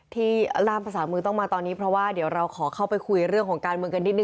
ทีลามภาษามือต้องมาตอนนี้เพราะว่าเดี๋ยวเราขอเข้าไปคุยเรื่องของการ